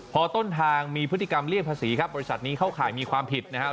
พอต้นทางมีพฤติกรรมเลี่ยงภาษีครับบริษัทนี้เข้าข่ายมีความผิดนะครับ